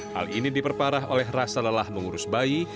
hal ini diperparah oleh rasa lelah mengurus bayi